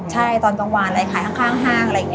ใช่ตอนกลางวันอะไรขายข้างห้างอะไรอย่างนี้